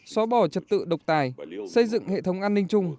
xóa bỏ trật tự độc tài xây dựng hệ thống an ninh chung